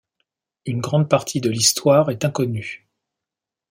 Une grande partie de l'histoire est inconnue.